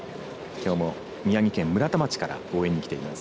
きょうも宮城県村田町から応援に来ています。